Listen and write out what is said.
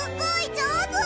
じょうず！